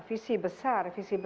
situasi masalah misalnya